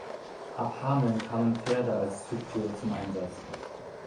Ab Hameln kamen Pferde als Zugtiere zum Einsatz.